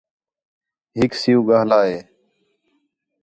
ہِک سِیُوں ڳاھلا ہِے